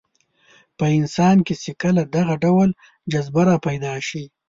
په انسان کې چې کله دغه ډول جذبه راپیدا شي.